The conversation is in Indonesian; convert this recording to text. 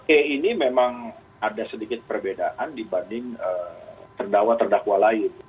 e ini memang ada sedikit perbedaan dibanding terdakwa terdakwa lain